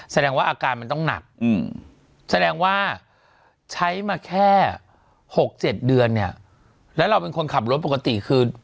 แสดงว่าอาการมันต้องหนักแสดงว่าใช้มาแค่๖๗เดือนเนี่ยแล้วเราเป็นคนขับรถปกติคือ